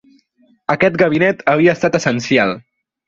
Aquest gabinet havia estat essencial.